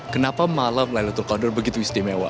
kenapa malam laylatul qadr begitu istimewa